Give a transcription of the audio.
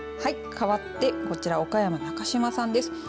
かわってこちら岡山の中島さんです。